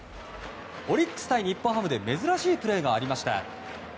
オリックス対日本ハムで珍しいプレーがありました。